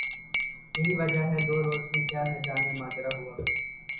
یہی وجہ صرف دو روز میں کیا نجانے ماجرہ ہوا